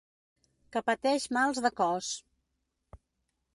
Que pateix mals de cos.